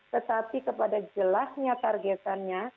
tetapi kepada jelasnya targetannya